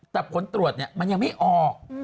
แต่ผลตรวจมันยังไม่ออก